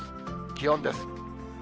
気温です。